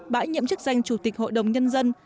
bãi nhiệm chức danh chủ tịch hội đồng nhân dân